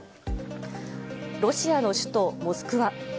ロシアの首都モスクワ。